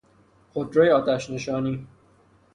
خودروی آتش نشانی